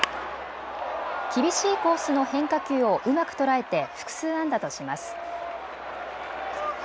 厳しいコースの変化球をうまく捉えて複数安打とします。